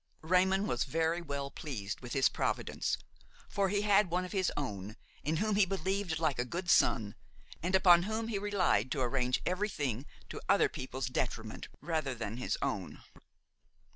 Raymon was very well pleased with his providence; for he had one of his own, in whom he believed like a good son, and upon whom he relied to arrange everything to other people's detriment rather than his own.